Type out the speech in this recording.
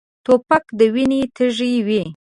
توپک د وینې تږی وي.